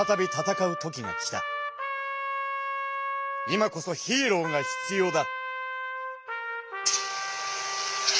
今こそヒーローが必要だ！